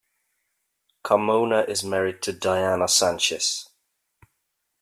Carmona is married to Diana Sanchez.